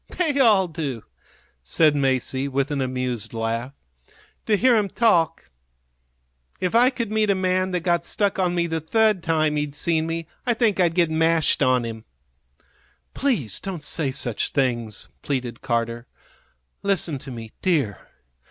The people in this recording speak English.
"They all do," said Masie, with an amused laugh, "to hear 'em talk. If I could meet a man that got stuck on me the third time he'd seen me I think I'd get mashed on him." "Please don't say such things," pleaded Carter. "Listen to me, dear.